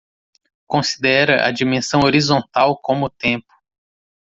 Considera a dimensão horizontal como tempo.